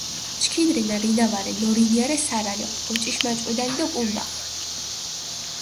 ჩქინ რინა, რინა ვარე, ნორინია რე სარალო, ოჭიშმაჭყვიდალი დო კუნტა.